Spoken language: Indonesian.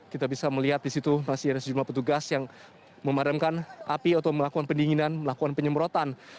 kita bisa melihat di situ masih ada sejumlah petugas yang memadamkan api atau melakukan pendinginan melakukan penyemprotan